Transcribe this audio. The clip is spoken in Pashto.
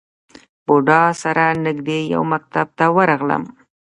بودا سره نژدې یو مکتب ته ورغلم.